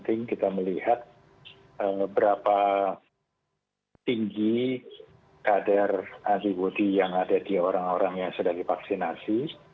tinggi kadar antibody yang ada di orang orang yang sudah divaksinasi